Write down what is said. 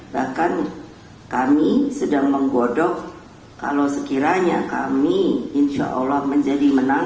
bahkan kami sedang menggodok kalau sekiranya kami insya allah menjadi menang